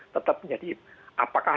tetap jadi apakah